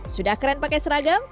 sudah keren pakai seragam